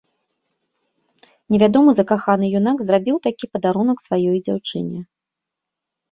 Невядомы закаханы юнак зрабіў такі падарунак сваёй дзяўчыне.